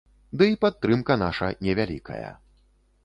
Ды і падтрымка наша невялікая.